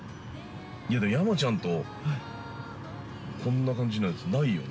◆いやだ、山ちゃんとこんな感じのやつ、ないよね。